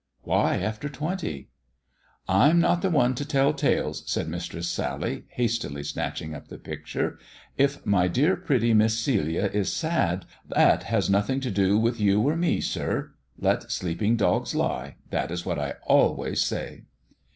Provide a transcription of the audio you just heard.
" Why after twenty ?"" I'm not the one to tell tales," said Mistress Sally, hastily snatching up the picture. "If my dear pretty 16 THE dwarf's chamber Miss Celia is sad, that has nothing to do with you or me. sir. Let sleeping dogs lie. That is what I always say."